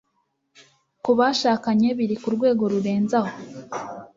ku bashakanye biri ku rwego rurenze aho